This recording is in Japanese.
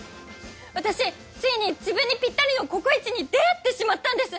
私ついに自分にピッタリのココイチに出会ってしまったんです！